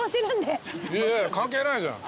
いやいや関係ないじゃん。